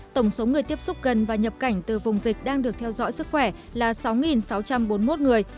tổng số người tiếp xúc gần và nhập cảnh từ vùng dịch đang được theo dõi sức khỏe là sáu sáu trăm bốn mươi một người